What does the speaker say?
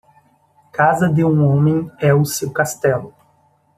Casa de um homem é o seu castelo